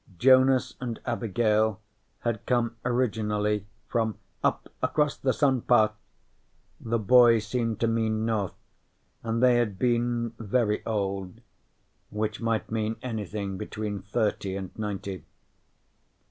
Jonas and Abigail had come originally from "up across the sun path" the boy seemed to mean north and they had been very old, which might mean anything between thirty and ninety.